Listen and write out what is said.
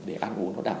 để ăn uống nó đáng